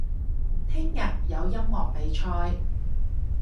聽日有音樂比賽